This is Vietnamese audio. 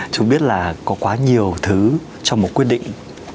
chúng biết là có quá nhiều thứ trong một quyết định